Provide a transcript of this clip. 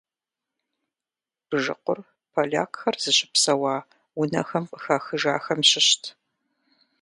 Бжыкъур полякхэр зыщыпсэуа унэхэм къыхахыжахэм щыщт.